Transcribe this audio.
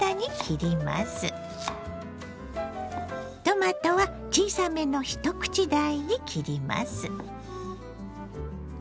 トマトは小さめの一口大に切ります。